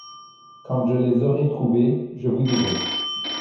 Quand je les aurai trouvés je vous dirai.